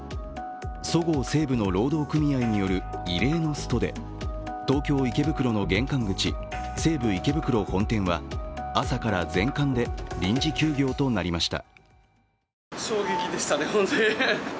そごう・西武の労働組合による異例のストで東京・池袋の玄関口、西武池袋本店は朝から全館で臨時休業となりました。